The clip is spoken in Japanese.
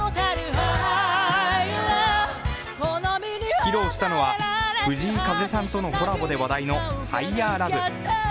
披露したのは藤井風さんとのコラボで話題の「ＨｉｇｈｅｒＬｏｖｅ」。